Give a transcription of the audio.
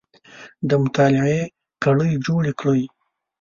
د مطالعې کړۍ جوړې کړئ